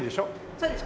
そうです。